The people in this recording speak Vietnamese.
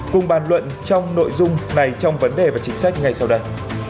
cùng bàn luận trong nội dung này trong vấn đề và chính sách ngay sau đây